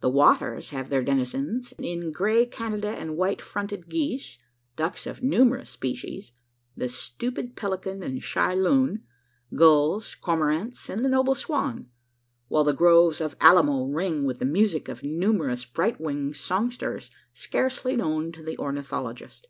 The waters have their denizens, in the grey Canada and white fronted geese ducks of numerous species the stupid pelican and shy loon gulls, cormorants, and the noble swan; while the groves of alamo ring with the music of numerous bright winged songsters, scarcely known to the ornithologist.